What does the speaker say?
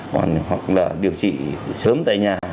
hoặc là điều trị sớm tại nhà